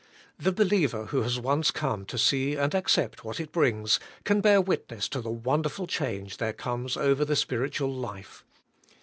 The believer who has once come to see and accept what it brings, can bear witness to the wonderful change there comes over the spiritual life.